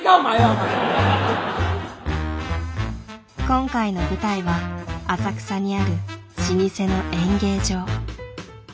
今回の舞台は浅草にある老舗の演芸場。